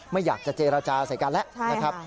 ไม่อยากจะเจรจาใส่กันแล้วนะครับ